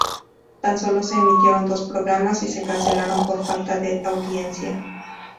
Tan sólo se emitieron dos programas y se cancelaron por falta de audiencia.